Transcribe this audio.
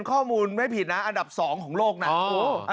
ข้อมูลไม่ผิดนะอันดับ๒ของโลกนะ